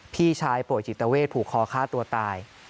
พี่ชายป่วยจิตเวทผูกคอฆ่าตัวตาย